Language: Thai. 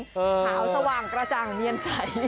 ขาวสว่างกระจ่างเนียนใส